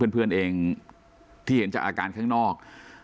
เพื่อนเองที่เห็นจากอาการข้างนอก